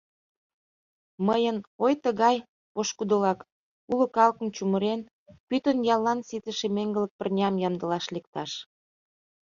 Мыйын ой тыгай, пошкудолак: уло калыкым чумырен, пӱтынь яллан ситыше меҥгылык пырням ямдылаш лекташ.